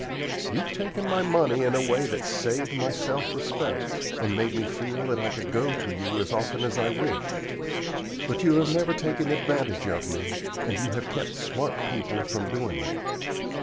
You've taken my money in a way that saved my self respect, and made me feel that I could go to you as often as I wished; but you have never taken advantage of me, and you have kept smart people from doing it.